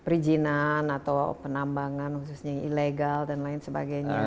perizinan atau penambangan khususnya yang ilegal dan lain sebagainya